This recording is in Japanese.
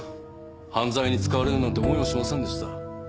犯罪に使われるなんて思いもしませんでした。